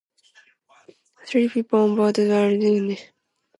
Three people on board the wheeler were injured as they jumped over board.